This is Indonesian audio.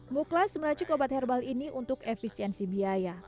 muklas meracuk obat herbal ini untuk efisiensi biaya